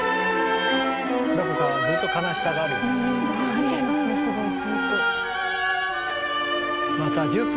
見ちゃいますねすごいずっと。